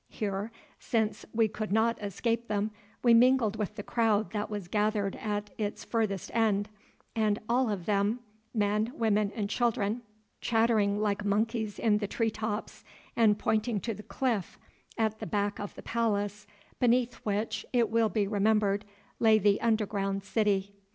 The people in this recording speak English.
Here, since we could not escape them, we mingled with the crowd that was gathered at its farther end, all of them—men, women and children—chattering like monkeys in the tree tops, and pointing to the cliff at the back of the palace, beneath which, it will be remembered, lay the underground city.